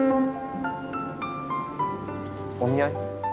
お見合い？